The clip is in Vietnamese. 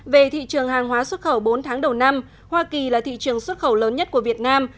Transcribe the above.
về thị trường hàng hóa xuất khẩu bốn tháng đầu năm hoa kỳ là thị trường xuất khẩu lớn nhất của việt nam